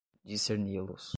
discerni-los